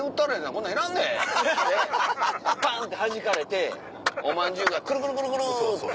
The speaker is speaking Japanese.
こんなんいらんで！」ってパンってはじかれておまんじゅうがくるくるくるくるって。